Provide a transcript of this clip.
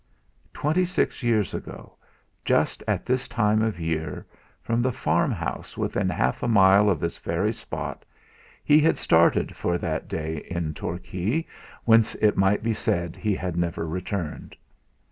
Twenty six years ago, just at this time of year, from the farmhouse within half a mile of this very spot he had started for that day in Torquay whence it might be said he had never returned.